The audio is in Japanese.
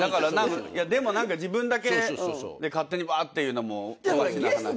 でも何か自分だけで勝手にばーっていうのもおかしな話で。